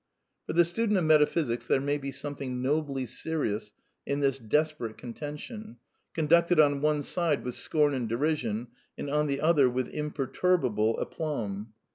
For the student of metaphysics there may be something nobly serious in this desperate contention, conducted on one side with scorn and derision, and on the other with im perturbable aplomb.